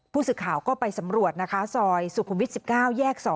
ผู้สึกข่าวก็ไปสำรวจซอยสุขุมวิทย์๑๙แยก๒